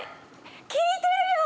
効いてるよ！